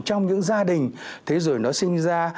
trong những gia đình thế rồi nó sinh ra